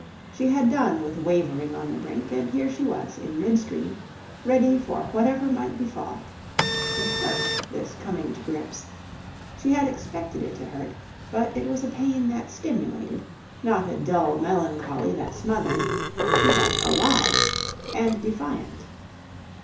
She had done with wavering on the brink, and here she was, in mid stream, ready for whatever might befall. It hurt, this coming to grips. She had expected it to hurt. But it was a pain that stimulated, not a dull melancholy that smothered. She felt alive and defiant.